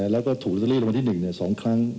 แล้วก็ถูกรุณตัวรีสันละวันที่๑เนี่ย๒ครั้ง